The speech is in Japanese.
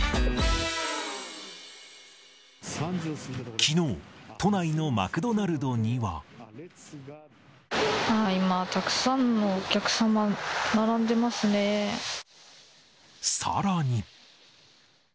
きのう、都内のマクドナルドには。今、たくさんのお客様、さらに。